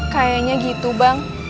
kayaknya gitu bang